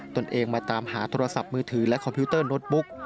ตนเองมาตามหาโทรศัพท์มือถือและคอมพิวเตอร์โน้ตบุ๊ก